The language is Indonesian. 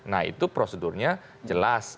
nah itu prosedurnya jelas